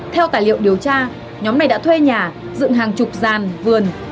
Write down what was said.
theo tài liệu điều tra nhóm này đã thuê nhà dựng hàng chục gian vườn